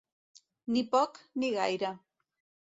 Ni poc ni gaire.